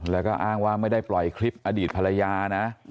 แล้วก็อ้างว่าไม่ได้ปล่อยคลิปอดีตภรรยานะ